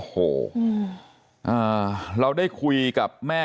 ขอไปเจอสะดวกไหมครับคุณแม่